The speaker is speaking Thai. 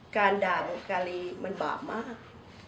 การด่าบุการีมันบาปมาก